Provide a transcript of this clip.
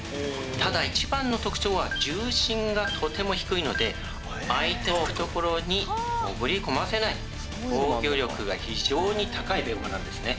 ただ一番の特徴は重心がとても低いので相手を懐に潜り込ませない防御力が非常に高いベーゴマなんですね。